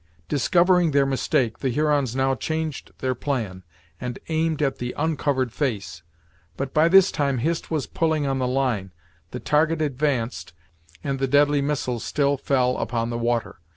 Discovering their mistake, the Hurons now changed their plan, and aimed at the uncovered face; but by this time Hist was pulling on the line, the target advanced and the deadly missiles still fell upon the water.